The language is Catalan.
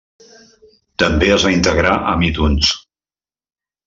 També es va integrar amb iTunes.